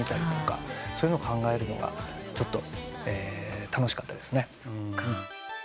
そういうの考えるのが楽しかったですね。